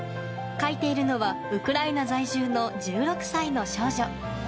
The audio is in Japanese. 描いているのはウクライナ在住の１６歳の少女。